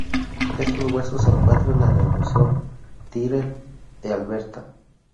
Estos huesos se encuentran en el Museo Tyrrell de Alberta.